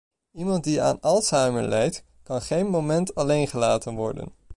Iemand die aan alzheimer lijdt, kan geen moment alleen gelaten worden.